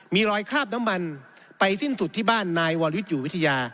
มีรอยคราบน้ำมันไปสิ้นสุดที่บ้านนายวรวิทย์อยู่วิทยา